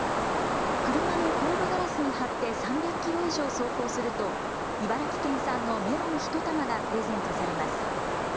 車の後部ガラスに貼って３００キロ以上走行すると茨城県産のメロン１玉がプレゼントされます。